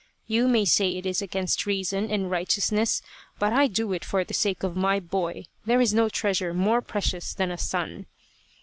You may say it is against reason and righteousness, but I do it for the sake of my boy there is no treasure more precious than a son."